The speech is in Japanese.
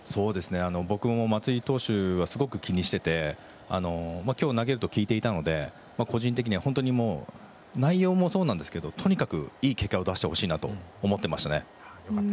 僕も松井投手はすごく気にしていて今日投げると聞いていたので個人的には内容もそうですがとにかくいい結果を出してほしいと思ってました。